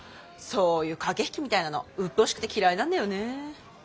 そういう駆け引きみたいなのうっとうしくて嫌いなんだよね。